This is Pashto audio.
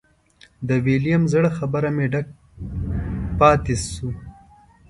د ویلیم زړه خبرو مې ډک پاتې شو.